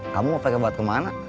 kamu mau pergi buat kemana